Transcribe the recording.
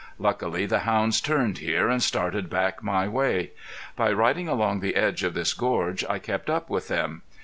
Luckily the hounds turned here and started back my way. By riding along the edge of this gorge I kept up with them.